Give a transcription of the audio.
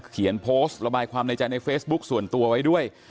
เขียนโพสต์ระบายความในใจในเฟซบุ๊คส่วนตัวไว้ด้วย